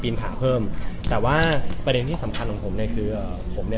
ผางเพิ่มแต่ว่าประเด็นที่สำคัญของผมเนี่ยคือผมเนี่ย